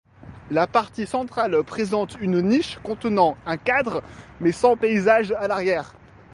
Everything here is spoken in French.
La partie centrale présente une niche contenant un cadre mais sans paysage à l'arrière.